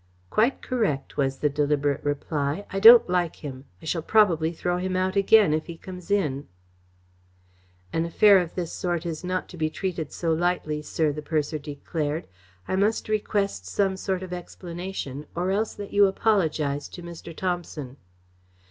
"Quite correct," was the deliberate reply. "I don't like him. I shall probably throw him out again if he comes in." "An affair of this sort is not to be treated so lightly, sir," the purser declared. "I must request some sort of an explanation or else that you apologise to Mr. Thomson."